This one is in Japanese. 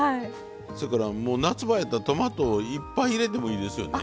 そやからもう夏場やったらトマトいっぱい入れてもいいですよね。